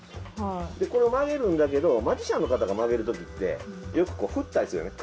これを曲げるんだけどマジシャンの方が曲げる時ってよくこう振ったりするよね